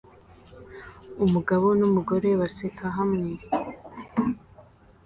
Umugabo numugore baseka hamwe